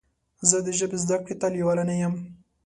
زه د ژبې زده کړې ته لیواله نه یم.